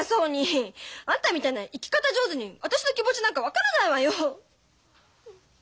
あんたみたいな生き方上手に私の気持ちなんか分からないわよ。